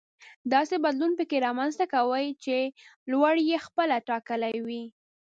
داسې بدلون پکې رامنځته کوي چې لوری يې خپله ټاکلی وي.